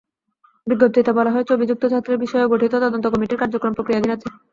বিজ্ঞপ্তিতে বলা হয়েছে, অভিযুক্ত ছাত্রের বিষয়ে গঠিত তদন্ত কমিটির কার্যক্রম প্রক্রিয়াধীন আছে।